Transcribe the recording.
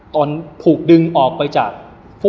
ตอนถูกดึงออกไปจาก